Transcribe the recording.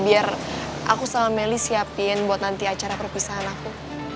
biar aku sama melly siapin buat nanti acara perpisahan aku